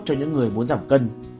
cho những người muốn giảm cân